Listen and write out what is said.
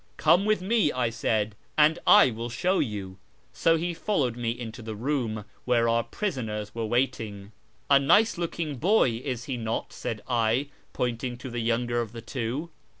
' Come with me,' I said, ' and I will show you.' So he followed me into the room where our prisoners were waiting. ' A nice looking boy, is he not ?' said I, pointing to the younger of the two.